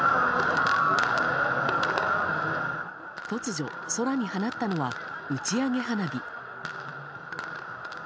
突如、空に放ったのは打ち上げ花火。